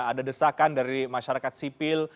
ada desakan dari masyarakat sipil